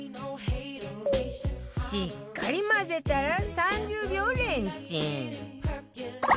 しっかり混ぜたら３０秒レンチン